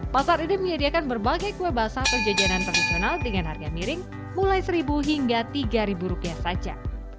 pasar ini menyediakan berbagai kue basah atau jajanan tradisional dengan harga miring mulai rp satu tiga saja